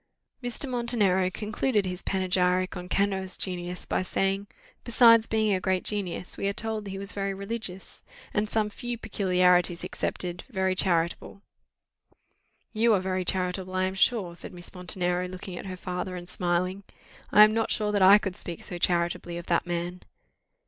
Mr. Montenero concluded his panegyric on Cano's genius by saying, "Besides being a great genius, we are told that he was very religious, and, some few peculiarities excepted, very charitable." "You are very charitable, I am sure," said Miss Montenero, looking at her father, and smiling: "I am not sure that I could speak so charitably of that man."